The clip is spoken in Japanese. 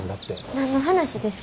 何の話ですか？